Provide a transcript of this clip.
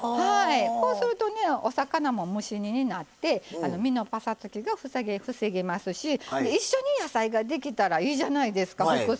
こうするとねお魚も蒸し煮になって身のぱさつきが防げますし一緒に野菜ができたらいいじゃないですか副菜。